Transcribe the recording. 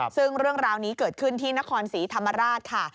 ซึ่งเรื่องราวนี้เกิดขึ้นที่นครศรีธรรมราชค่ะ